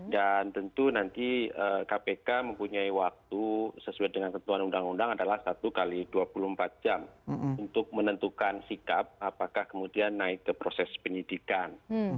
dan tentu nanti kpk mempunyai waktu sesuai dengan ketuan undang undang adalah satu x dua puluh empat jam untuk menentukan sikap apakah kemudian naik ke proses penyelidikan